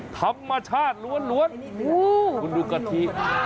ธรรมชาติล้วนคุณดูกะทิ